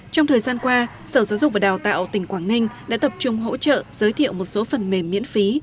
trong thời gian qua sở giáo dục và đào tạo tỉnh quảng ninh đã tập trung hỗ trợ giới thiệu một số phần mềm miễn phí